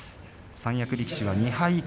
三役力士は２敗以下。